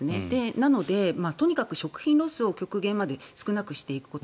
なので、とにかく食品ロスを極限まで少なくしていくこと。